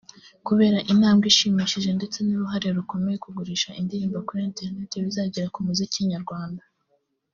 Kubera intambwe ishimishije ndetse n’uruhare rukomeye kugurisha indirimbo kuri Internet bizagira ku muziki nyarwanda